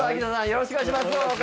よろしくお願いします。